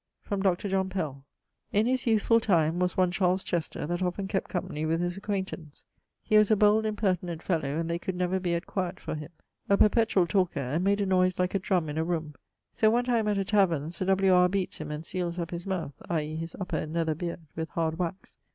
From Dr. John Pell: In his youthfull time, was one Charles Chester, that often kept company with his acquaintance; he was a bold impertenent fellowe, and they could never be at quiet for him; a perpetuall talker, and made a noyse like a drumme in a roome. So one time at a taverne Sir W. R. beates him and seales up his mouth (i.e. his upper and neather beard) with hard wax.